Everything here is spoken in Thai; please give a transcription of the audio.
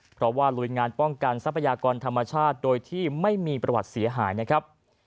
เพราะว่าลุยงานป้องกันทรัพยากรธรรมชาติโดยที่ไม่มีประวัติเสียหายนะครับ